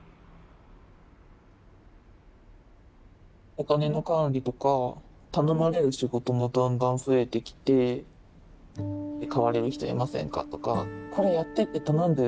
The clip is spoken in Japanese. お金の管理とか頼まれる仕事もだんだん増えてきて「代われる人いませんか？」とか「これやってって頼んだよね？